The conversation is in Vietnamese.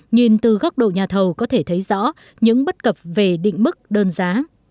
nhìn từ góc độ nhà thầu có thể thấy rõ những bất cập về định mức đơn giá